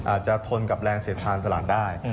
อาจจะทนกับแรงเสียทางตลาดได้